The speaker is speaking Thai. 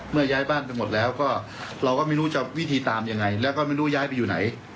ย้ายบ้านไปหมดแล้วก็เราก็ไม่รู้จะวิธีตามยังไงแล้วก็ไม่รู้ย้ายไปอยู่ไหน